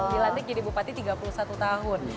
dilantik jadi bupati tiga puluh satu tahun